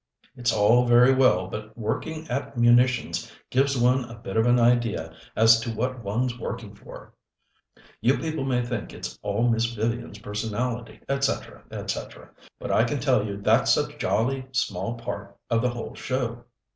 "It's all very well, but working at munitions gives one a bit of an idea as to what one's working for. You people may think it's all Miss Vivian's personality, etc., etc., but I can tell you that's a jolly small part of the whole show."